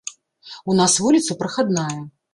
У нас вуліца прахадная.